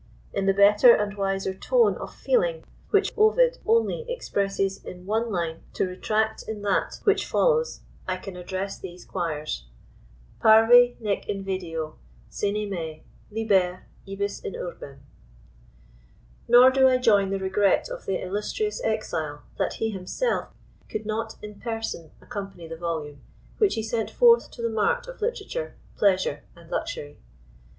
In the better and wiser tone of feeling, which Ovid only expresses in one line to retract in that which follows, I can address these quires— Parve, nec invideo, sine me, liber, ibis in urbem. Nor do I join the regret of the illustrious exile, that he himself could not in person accompany the volume, which he sent forth to the mart of literature, pleasure, and luxury.